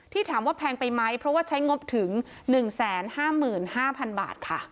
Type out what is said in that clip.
ที่ถามว่าแพงไปไหมเพราะว่าใช้งบถึงหนึ่งแสนห้ามื่นห้าพันบาทค่ะ